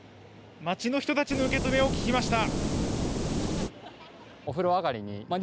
街の人たちの受け止めを聞きました。